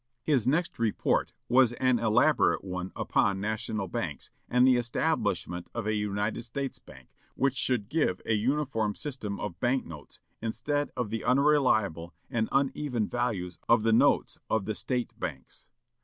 His next report was an elaborate one upon national banks, and the establishment of a United States bank, which should give a uniform system of bank notes, instead of the unreliable and uneven values of the notes of the State banks.